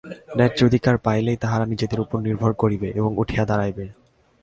ন্যায্য অধিকার পাইলেই তাহারা নিজেদের উপর নির্ভর করিবে এবং উঠিয়া দাঁড়াইবে।